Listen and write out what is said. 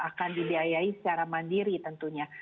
akan dibiayai secara mandiri tentunya